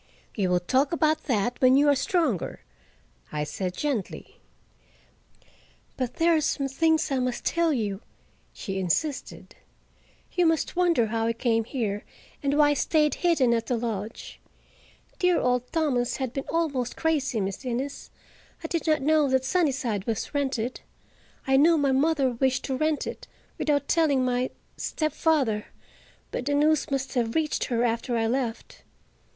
"We will talk about that when you are stronger," I said gently. "But there are some things I must tell you," she insisted. "You must wonder how I came here, and why I stayed hidden at the lodge. Dear old Thomas has been almost crazy, Miss Innes. I did not know that Sunnyside was rented. I knew my mother wished to rent it, without telling my—stepfather, but the news must have reached her after I left.